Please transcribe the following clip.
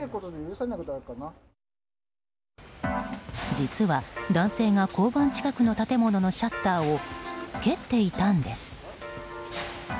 実は、男性が交番近くの建物のシャッターを蹴っていたんです。